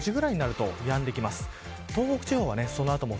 あしたの午前５時ぐらいになるとやんできます。